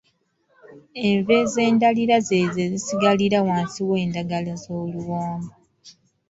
Enva ez’endalira ze ezo ezisigalira wansi w’endagala z’oluwombo.